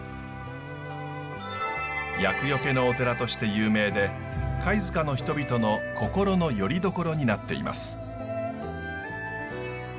厄除けのお寺として有名で貝塚の人々の心のよりどころになっています。